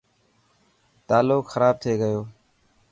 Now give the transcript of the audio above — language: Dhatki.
تالو خراب ٿي گيو.